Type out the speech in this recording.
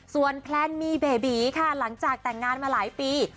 ส่วนแพลนมีเบบีค่ะหลังจากแต่งงานมาหลายปี